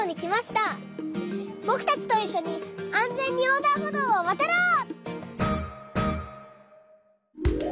ぼくたちといっしょにあんぜんにおうだんほどうをわたろう！